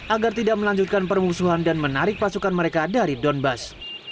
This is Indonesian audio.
agar tidak melanjutkan permusuhan dan menarik pasukan mereka dari donbass